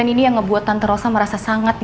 dan ini yang ngebuat tante rosa merasa sangat sedih